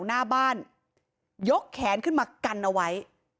หน้าบ้านยกแขนขึ้นมากันเอาไว้